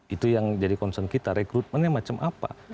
itu yang jadi concern kita rekrutmennya macam apa